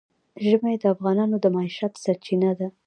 ژمی د افغانانو د معیشت سرچینه ده.